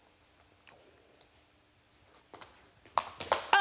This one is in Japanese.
あ！